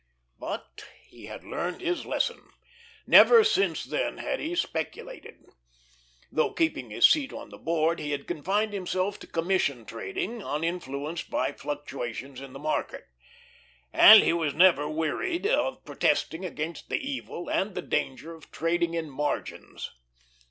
But he had learned his lesson. Never since then had he speculated. Though keeping his seat on the Board, he had confined himself to commission trading, uninfluenced by fluctuations in the market. And he was never wearied of protesting against the evil and the danger of trading in margins.